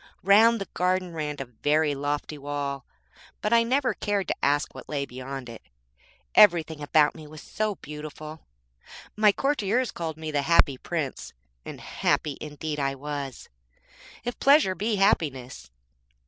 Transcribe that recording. Round the garden ran a very lofty wall, but I never cared to ask what lay beyond it, everything about me was so beautiful. My courtiers called me the Happy Prince, and happy indeed I was, if pleasure be happiness.